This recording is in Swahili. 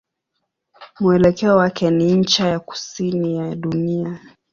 Mwelekeo wake ni ncha ya kusini ya dunia.